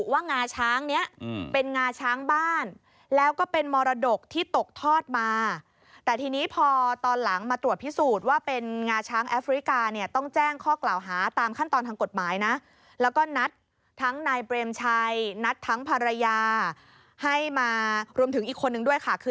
งาช้างเนี้ยเป็นงาช้างบ้านแล้วก็เป็นมรดกที่ตกทอดมาแต่ทีนี้พอตอนหลังมาตรวจพิสูจน์ว่าเป็นงาช้างแอฟริกาเนี่ยต้องแจ้งข้อกล่าวหาตามขั้นตอนทางกฎหมายนะแล้วก็นัดทั้งนายเปรมชัยนัดทั้งภรรยาให้มารวมถึงอีกคนนึงด้วยค่ะคือ